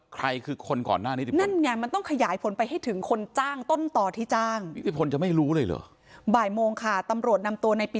ไปที่ปิติแล้วใครคือก่อนหน้านี้